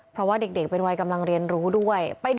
เพราะว่าเด็กเป็นวัยกำลังเรียนรู้ด้วย